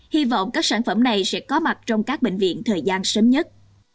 hy vọng các sản phẩm này sẽ có mặt trong các bệnh viện thời gian sớm nhất